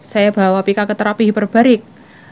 saya bawa pika ke terapi hiperbarik